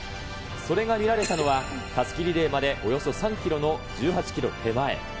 それが見られたのは、たすきリレーまでおよそ３キロの１８キロ手前。